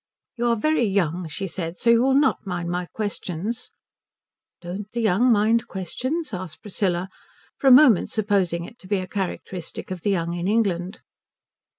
"You are very young," she said, "so you will not mind my questions " "Don't the young mind questions?" asked Priscilla, for a moment supposing it to be a characteristic of the young of England.